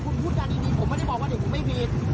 พูดการดีดีผมไม่ได้บอกว่าเดี๋ยวผมไม่ผี